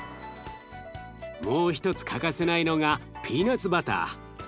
もう一つ欠かせないのがピーナツバター。